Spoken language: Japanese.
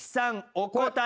お答え